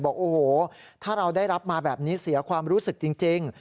บอกโอ้โหถ้าเราได้รับมาแบบนี้เสียความรู้สึกจริง